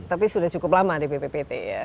tapi sudah cukup lama di bppt ya